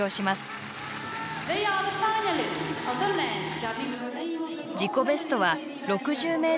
自己ベストは６０ｍ３ｃｍ。